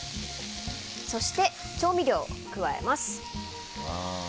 そして、調味料を加えます。